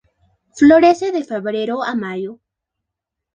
Florece de febrero a mayo.